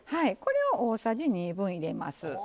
これを大さじ２分入れます。